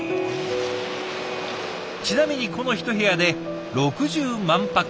ちなみにこの１部屋で６０万パック分。